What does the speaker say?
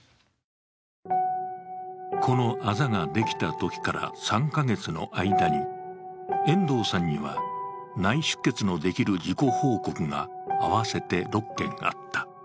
このあざができたときから３か月の間に遠藤さんには内出血のできる事故報告が合わせて６件あった。